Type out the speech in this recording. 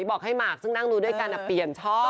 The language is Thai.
บอกให้หมากซึ่งนั่งดูด้วยกันเปลี่ยนช่อง